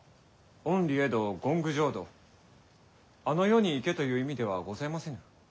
「厭離穢土欣求浄土」「あの世に行け」という意味ではございませぬ。